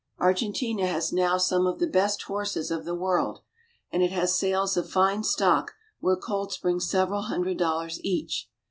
Argentina has now some of the best horses of the world, and it has sales of fine stock where colts bring several hundred dollars each.